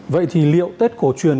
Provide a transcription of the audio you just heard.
vậy thì liệu tết cổ truyền